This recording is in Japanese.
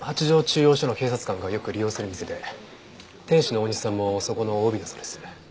中央署の警察官がよく利用する店で店主の大西さんもそこのＯＢだそうです。